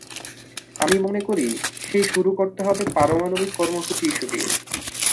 আমি মনে করি, সেই শুরু করতে হবে পারমাণবিক কর্মসূচি ইস্যু দিয়েই।